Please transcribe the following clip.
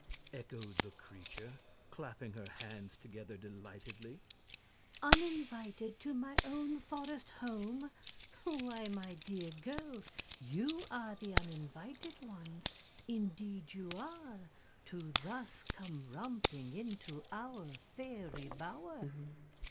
echoed the creature, clapping her hands together delightedly; "uninvited to my own forest home! Why, my dear girls, you are the uninvited ones indeed you are to thus come romping into our fairy bower."